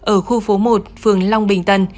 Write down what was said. ở khu phố một phường long bình tân